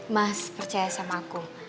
mas percaya sama aku